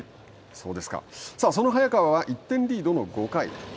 その早川は１点リードの５回。